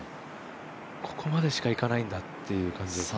ここまでしかいかないんだという感じですね。